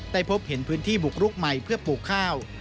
พบเห็นพื้นที่บุกรุกใหม่เพื่อปลูกข้าว